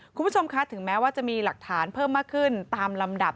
คุณผู้ชมคะถึงแม้ว่าจะมีหลักฐานเพิ่มมากขึ้นตามลำดับ